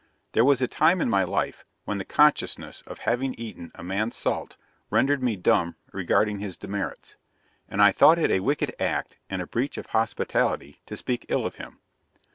There was a time in my life when the consciousness of having eaten a man's salt rendered me dumb regarding his demerits, and I thought it a wicked act and a breach of hospitality to speak ill of him.